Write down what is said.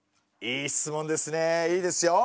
いい質問ですねえいいですよ。